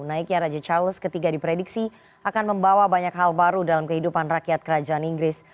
naiknya raja charles iii diprediksi akan membawa banyak hal baru dalam kehidupan rakyat kerajaan inggris